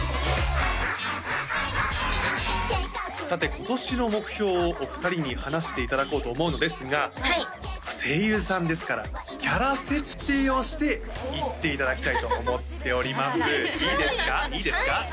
さて今年の目標をお二人に話していただこうと思うのですが声優さんですからキャラ設定をして言っていただきたいと思っておりますいいですか？